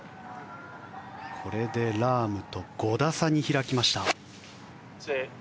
これでラームと５打差に開きました。